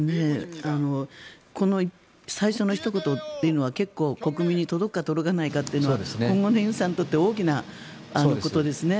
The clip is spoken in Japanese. この最初のひと言というのは結構、国民に届くか届かないかというのは今後の尹さんにとって大きなことですね。